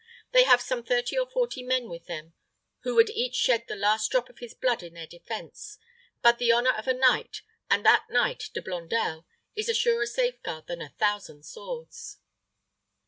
They have some thirty or forty men with them who would each shed the last drop of his blood in their defense; but the honor of a knight, and that knight De Blondel, is a surer safeguard than a thousand swords."